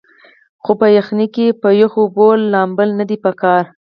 خو پۀ يخنۍ کښې پۀ يخو اوبو لامبل نۀ دي پکار